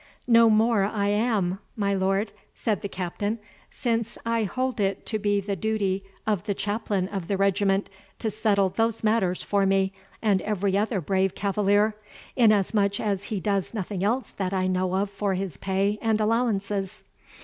"No more I am, my lord," said the Captain, "since I hold it to be the duty of the chaplain of the regiment to settle those matters for me, and every other brave cavalier, inasmuch as he does nothing else that I know of for his pay and allowances.